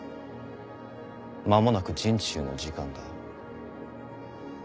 間もなく人誅の時間だ。